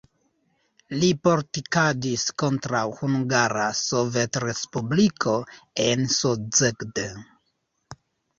Li politikadis kontraŭ Hungara Sovetrespubliko en Szeged.